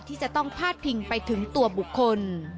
ที่จะต้องพาดพิงไปถึงตัวบุคคล